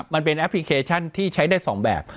มันเป็นแอปพลิเคชันที่ใช้ได้๒แบบ